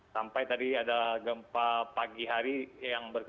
sampai tadi ada gempa pagi hari yang tidak ada